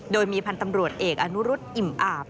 โดยมีพันธ์ตำรวจเอกอนุรุษอิ่มอาบ